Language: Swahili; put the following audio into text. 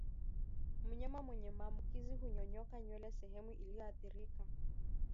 Mnyama mwenye maambukizi hunyonyoka nywele sehemu iliyoathirika